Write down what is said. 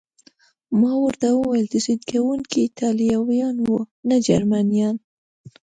ما ورته وویل: ډزې کوونکي ایټالویان و، نه جرمنیان.